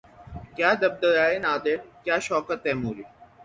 کیا دبدبۂ نادر کیا شوکت تیموری